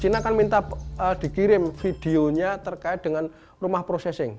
china akan minta dikirim videonya terkait dengan rumah processing